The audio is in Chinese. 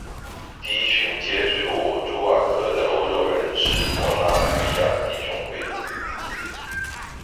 第一群接触库朱瓦克的欧洲人是摩拉维亚弟兄会。